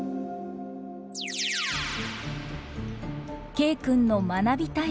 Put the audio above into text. Ｋ君の「学びたい」